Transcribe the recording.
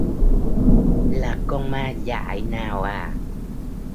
là con ma dại nào à